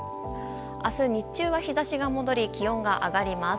明日、日中は日差しが戻り気温も上がります。